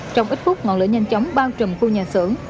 trong ít phút ngọn lửa nhanh chóng bao trùm khu nhà xưởng